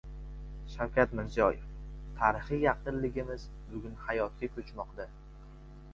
Shavkat Mirziyoyev: Tarixiy yaqinligimiz bugun hayotga ko‘chmoqda